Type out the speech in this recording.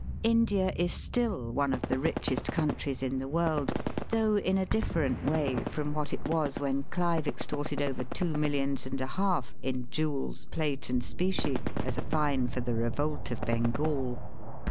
India is still one of the richest countries in the world, though in a different way from what it was when Clive extorted over two Digitized by VjOOQIC SOMETHING NEW ABOUT INDIA. 329 millions and a half in jewels, plate, and specie as a fine for the revolt of Bengal.